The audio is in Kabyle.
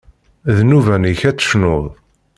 D nnuba-nnek ad tecnuḍ.